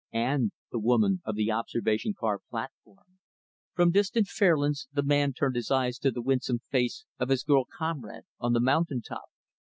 And the woman of the observation car platform From distant Fairlands, the man turned his eyes to the winsome face of his girl comrade on the mountain top.